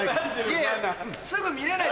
いやいやすぐ見れない。